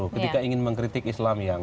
ketika ingin mengkritik islam yang